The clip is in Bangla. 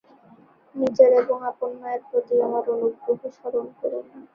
নিজের এবং আপন মায়ের প্রতি আমার অনুগ্রহ স্মরণ করুন!